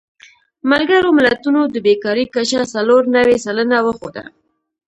ملګرو ملتونو د بېکارۍ کچه څلور نوي سلنه وښوده.